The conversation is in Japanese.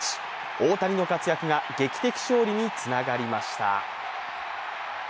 大谷の活躍が劇的勝利につながりました。